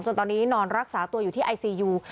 ตอนนี้นอนรักษาตัวอยู่ที่ไอซียู